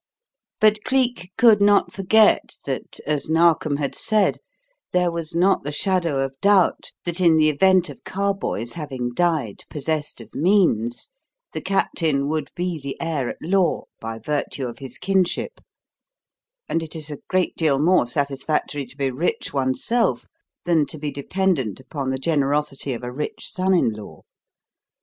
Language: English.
But Cleek could not forget that, as Narkom had said, there was not the shadow of doubt that in the event of Carboys having died possessed of means, the Captain would be the heir at law by virtue of his kinship; and it is a great deal more satisfactory to be rich oneself than to be dependent upon the generosity of a rich son in law.